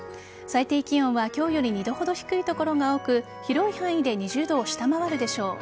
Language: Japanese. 最低気温は今日より２度ほど低い所が多く広い範囲で２０度を下回るでしょう。